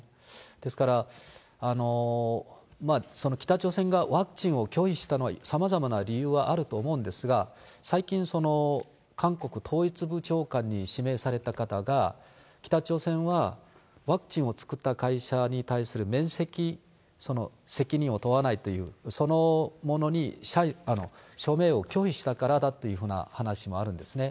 ですから、その北朝鮮がワクチンを拒否したのはさまざまな理由はあると思うんですが、最近、韓国統一部長官に指名された方が、北朝鮮はワクチンを作った会社に対する免責、その責任を問わないという、そのものに署名を拒否したからだというふうな話があるんですね。